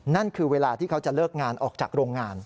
นั่นคือเวลาที่เขาจะเลิกงานออกจากโรงงาน